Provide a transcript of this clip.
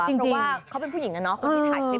เพราะว่าเขาเป็นผู้หญิงอะเนาะคนที่ถ่ายคลิป